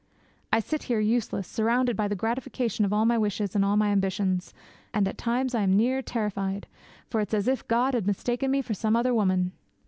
I sit here useless, surrounded by the gratification of all my wishes and all my ambitions; and at times I'm near terrified, for it's as if God had mista'en me for some other woman.'